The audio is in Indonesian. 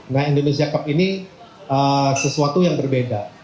nah indonesia cup ini sesuatu yang berbeda